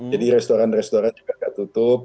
jadi restoran restoran juga gak tutup